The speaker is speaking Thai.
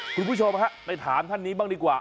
คุณผู้ชมฮะไปถามท่านนี้บ้างดีกว่า